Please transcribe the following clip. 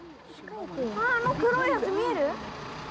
あー、あの黒いやつ見える？